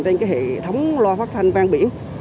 trên hệ thống loa phát thanh vang biển